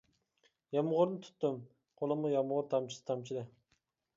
يامغۇرنى تۇتتۇم، قولۇمغا يامغۇر تامچىسى تامچىدى.